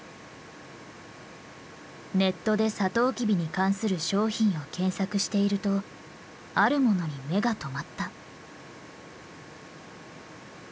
ネットでサトウキビに関する商品を検索しているとあるものに目が留まった。